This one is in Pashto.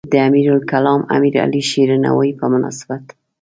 د امیرالکلام امیرعلی شیرنوایی په مناسبت.